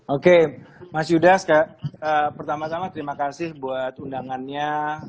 oke mas yudas pertama tama terima kasih buat undangannya